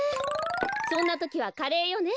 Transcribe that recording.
そんなときはカレーよね。